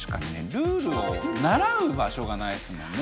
ルールを習う場所がないっすもんね